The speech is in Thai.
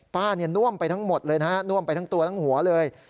ป้าน่วมไปทั้งหมดเลยนะฮะน่วมไปทั้งตัวทั้งหัวเลย